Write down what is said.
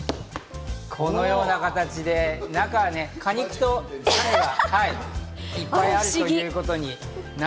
このような形で中には果肉がいっぱいあるという。